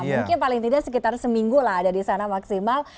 mungkin paling tidak sekitar seminggu lah ada di sana maksimal